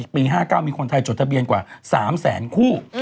ปี๕๙มีคนไทยจดทะเบียนกว่า๓แสนคู่